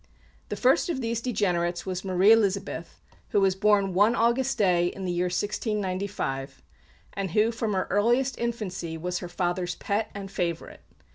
The first of these degenerates was Marie Elizabeth, who was born one August day in the year 1695, and who from her earliest infancy was her father's pet and favourite.